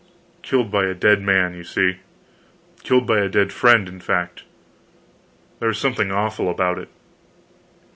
Killed by a dead man, you see killed by a dead friend, in fact. There was something awful about it.